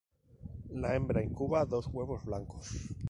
La hembra incuba dos huevos blancos.